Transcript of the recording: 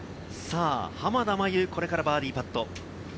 濱田茉優、これからバーディーパット。